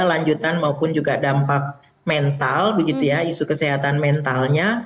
lanjutan maupun juga dampak mental begitu ya isu kesehatan mentalnya